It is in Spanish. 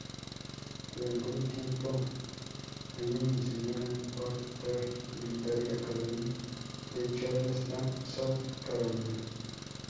Durante un tiempo, Allen enseñó en la Porter Military Academy de Charleston, South Carolina.